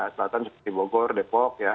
selatan seperti bogor depok ya